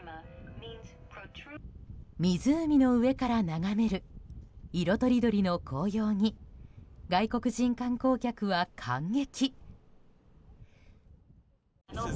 湖の上から眺める色とりどりの紅葉に外国人観光客は感激。